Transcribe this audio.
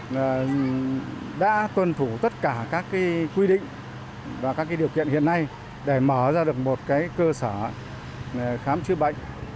chúng tôi đã tuân thủ tất cả các quy định và các điều kiện hiện nay để mở ra được một cơ sở khám chữa bệnh